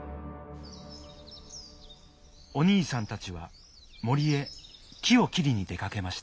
おにいさんたちはもりへきをきりにでかけました。